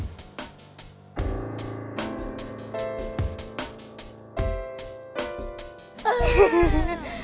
mas kamu bisa lihat dulu